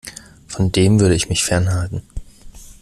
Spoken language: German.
Von dem würde ich mich fernhalten.